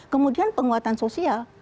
kemudian penguatan sosial